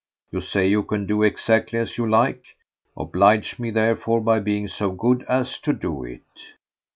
You say you can do exactly as you like. Oblige me therefore by being so good as to do it.